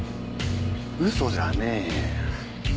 嘘じゃねえよ。